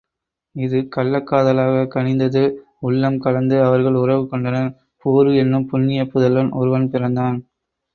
இது கள்ளக்காதலாகக் கனிந்தது உள்ளம் கலந்து அவர்கள் உறவு கொண்டனர், பூரு என்னும் புண்ணியப் புதல்வன் ஒருவன் பிறந்தான்.